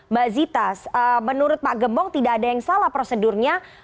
mbak zita menurut pak gembong tidak ada yang salah prosedurnya